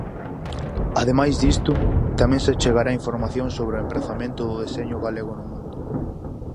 Ademais disto, tamén se achegará información sobre o emprazamento do deseño galego no mundo.